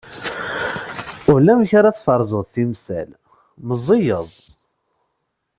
Ulamek ara tferẓeḍ timsal, meẓẓiyeḍ.